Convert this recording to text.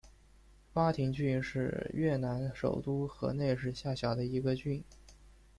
巴亭郡是越南首都河内市下辖的一个郡。